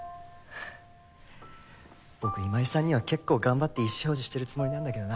僕今井さんには結構頑張って意思表示してるつもりなんだけどな。